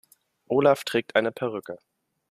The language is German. Olaf trägt eine Perücke.